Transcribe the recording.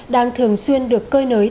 đang thường xuyên được cơi nới